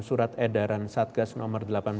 surat edaran satgas nomor delapan belas